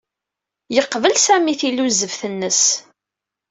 Yeqbel Sami tilluzeft-nnes.